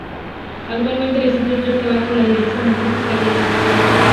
Actualmente el instituto está bajo la dirección artística de Anna Strasberg.